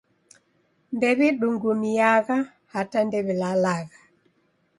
Ndew'idungumiagha hata ndew'ilalagha.